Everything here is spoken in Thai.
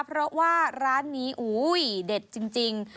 เพราะว่าร้านนี้อุ้ยเด็ดจริง